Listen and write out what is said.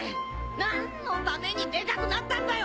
何のためにでかくなったんだよ！